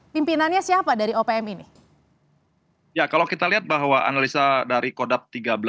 pimpinannya siapa dari opm ini ya kalau kita lihat bahwa analisa dari kodap tiga belas